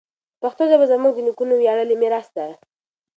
پښتو ژبه زموږ د نیکونو ویاړلی میراث ده.